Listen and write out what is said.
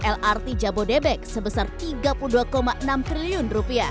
lrt jabodebek sebesar rp tiga puluh dua enam triliun